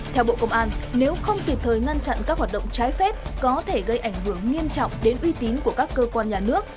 theo bộ công an nếu không kịp thời ngăn chặn các hoạt động trái phép có thể gây ảnh hưởng nghiêm trọng đến uy tín của các cơ quan nhà nước